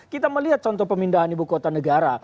kita melihat contoh pemindahan ibu kota negara